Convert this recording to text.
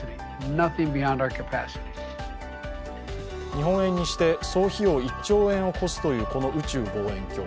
日本円にして総費用１兆円を超すというこの宇宙望遠鏡。